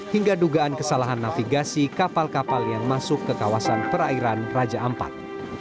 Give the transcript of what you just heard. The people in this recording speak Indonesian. hingga dugaan kesalahan navigasi kapal kapal yang masuk ke kawasan perairan raja ampat